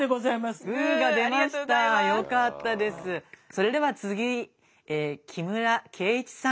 それでは次木村敬一さん。